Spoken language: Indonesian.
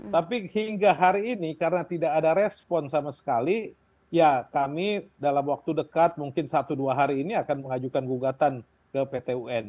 tapi hingga hari ini karena tidak ada respon sama sekali ya kami dalam waktu dekat mungkin satu dua hari ini akan mengajukan gugatan ke pt un